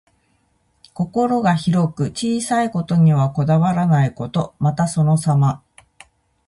心が広く、小さいことにはこだわらないこと。また、そのさま。